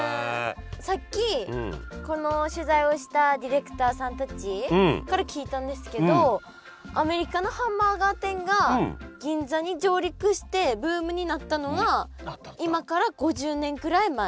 さっきこの取材をしたディレクターさんたちから聞いたんですけどアメリカのハンバーガー店が銀座に上陸してブームになったのは今から５０年ぐらい前。